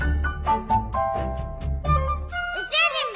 宇宙人め！